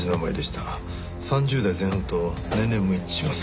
３０代前半と年齢も一致します。